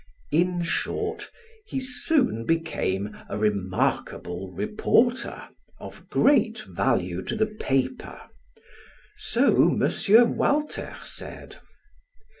In short he soon became a remarkable reporter, of great value to the paper, so M. Walter said.